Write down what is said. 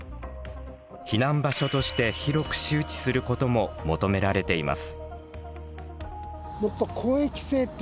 避難場所として広く周知することも求められています。